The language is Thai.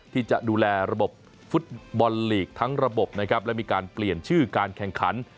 ที่จะดูแลระบบฟุตบอลลีกทั้งระบบนะครับและมีการเปลี่ยนชื่อการแข่งขัน